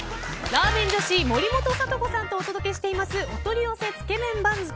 ラーメン女子森本聡子さんとお伝えしていますお取り寄せつけ麺番付